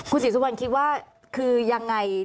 ศรีสุวรรณคิดว่าคือยังไง